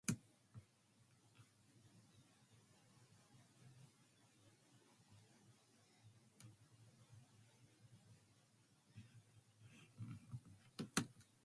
The main lifts are open in both summer and winter.